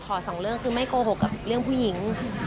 สองเรื่องคือไม่โกหกกับเรื่องผู้หญิง